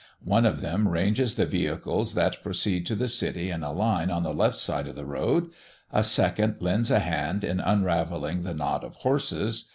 One of them ranges the vehicles that proceed to the city in a line on the left side of the road. A second lends a hand in unravelling the knot of horses.